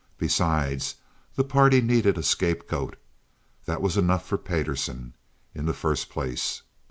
Besides, the party needed a scapegoat—that was enough for Payderson, in the first place.